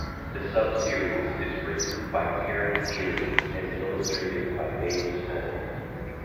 The sub-series is written by Terry Deary and illustrated by Dave Smith.